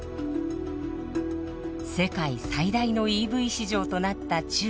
世界最大のＥＶ市場となった中国。